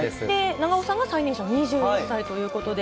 長尾さんが最年少２１歳ということで。